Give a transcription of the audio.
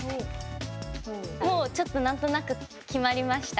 もうちょっと何となく決まりました。